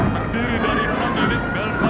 terdiri dari enam unit delta dua belas